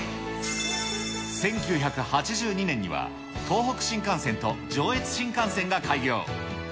１９８２年には、東北新幹線と上越新幹線が開業。